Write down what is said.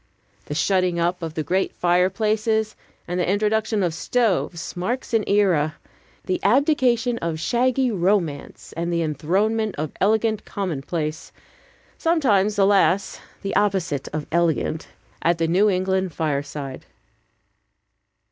The shutting up of the great fireplaces and the introduction of stoves marks an era; the abdication of shaggy Romance and the enthronement of elegant Commonplace sometimes, alas! the opposite of elegant at the New England fireside.